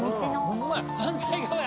ホンマや反対側や。